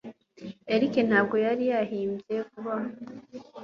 Eric ntabwo yari yahimbye vuba aha.